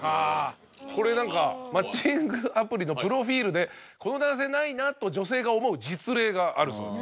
これ何かマッチングアプリのプロフィルでこの男性ないなと女性が思う実例があるそうです。